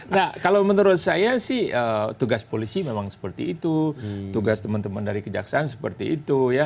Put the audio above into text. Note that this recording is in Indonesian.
nah kalau menurut saya sih tugas polisi memang seperti itu tugas teman teman dari kejaksaan seperti itu ya